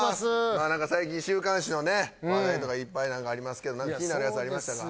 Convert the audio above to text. なんか最近週刊誌のね話題とかいっぱいありますけど気になるやつありましたか？